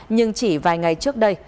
nhưng chỉ vài ngày trước đây